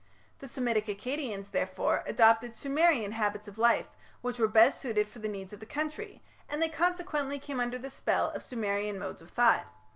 The Semitic Akkadians, therefore, adopted Sumerian habits of life which were best suited for the needs of the country, and they consequently came under the spell of Sumerian modes of thought.